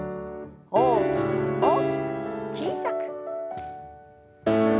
大きく大きく小さく。